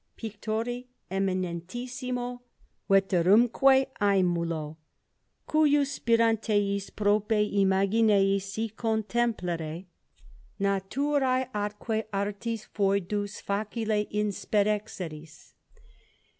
PICTORI EMINENTISS. VETERUMQUE ÆMULO, CUJUS SPIRANTEIS PROPE IMAGINEIS SI CONTEMPLERE, NATURÆ ATQUE ARTIS FOEDUS FACILE INSPEXERIS.